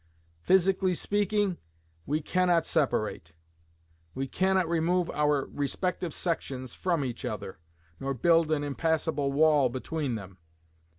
Physically speaking, we cannot separate. We cannot remove our respective sections from each other, nor build an impassable wall between them.